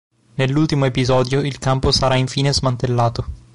Nell'ultimo episodio il campo sarà infine smantellato.